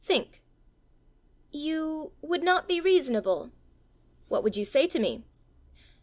Think." "You would not be reasonable." "What would you say to me?"